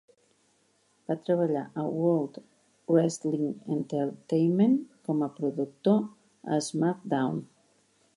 Va treballar amb World Wrestling Entertainment com a productor a SmackDown.